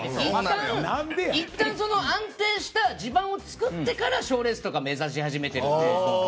いったん安定した地盤を作ってから賞レースとか目指し始めてるので。